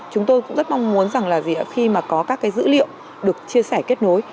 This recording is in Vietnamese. chúng tôi cũng rất mong muốn rằng là khi có các dữ liệu được chia sẻ kết nối